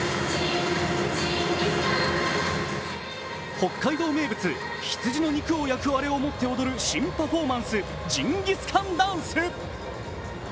北海道名物・羊の肉を焼くアレを持って踊る新パフォーマンスジンギスカンダンス。